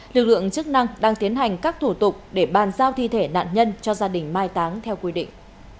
lực lượng chức năng đang tiến hành các thủ tục để bàn giao thi thể nạn nhân cho gia đình mai táng theo quy định